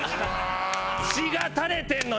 血が垂れてんのによ？